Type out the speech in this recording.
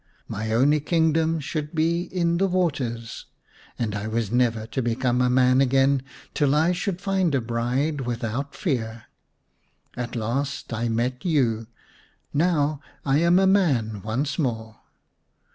My only kingdom should be in the waters, and I was never to become a man again till I should find a bride without fear. At last I met you ; now I am a man once more.